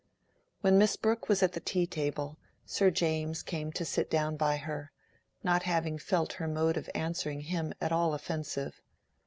When Miss Brooke was at the tea table, Sir James came to sit down by her, not having felt her mode of answering him at all offensive.